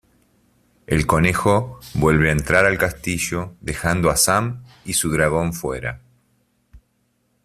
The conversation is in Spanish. El conejo vuelve a entrar al castillo dejando a Sam y su dragón fuera.